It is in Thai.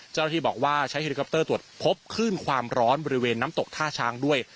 เจ้าหน้าที่บอกว่าใช้เฮลิคอปเตอร์ตรวจพบคลื่นความร้อนบริเวณน้ำตกท่าช้างด้วย